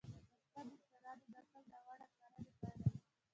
وسله د انسان د عقل ناوړه کارونې پایله ده